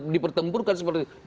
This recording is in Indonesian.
di pertempurkan seperti itu